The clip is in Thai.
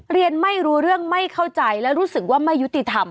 เรียนไม่รู้เรื่องไม่เข้าใจและรู้สึกว่าไม่ยุติธรรม